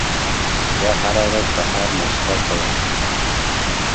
It is unclear whether these coins circulated.